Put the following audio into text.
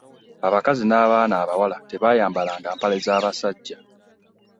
abakazi n'abaana abawala tebayayambala nga mpale zabbasajja